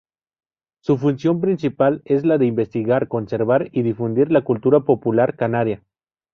Su función principal es la de investigar, conservar y difundir la cultura popular canaria.